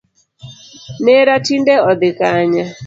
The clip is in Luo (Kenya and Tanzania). Nera tinde odhi Kanye?